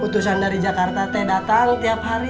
utusan dari jakarta teh datang tiap hari